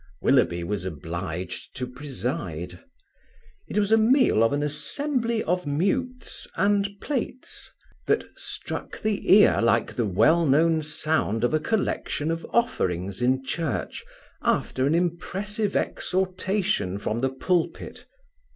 Willoughby was obliged to preside. It was a meal of an assembly of mutes and plates, that struck the ear like the well known sound of a collection of offerings in church after an impressive exhortation from the pulpit.